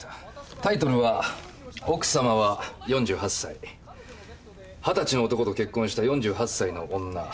タイトルは「奥様は４８歳」２０歳の男と結婚した４８歳の女。